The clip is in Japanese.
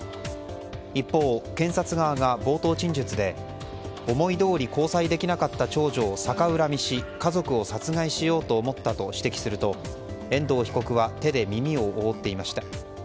一方、検察側が冒頭陳述で思いどおり交際できなかった長女を逆恨みし家族を殺害しようと思ったと指摘すると、遠藤被告は手で耳を覆っていました。